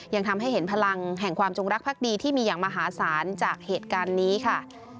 ยังทำให้เห็นพลังแห่งความจงรักภักดีที่มีอย่างมหาศาลจากเหตุการณ์นี้ค่ะ